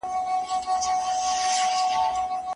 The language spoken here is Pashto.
ځيني واعظانو خپل مسئوليتونه سم ندي ادا کړي.